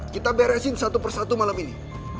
kita beresin satu persatu malam ini